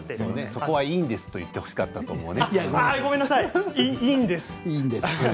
そこはいいんです、と言ってほしかったんだよね。